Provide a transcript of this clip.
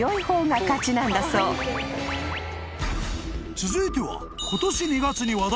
［続いては］